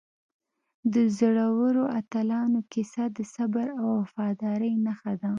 د زړورو اتلانو کیسه د صبر او وفادارۍ نښه ده.